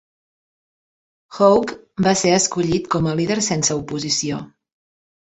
Hawke va ser escollit com a líder sense oposició.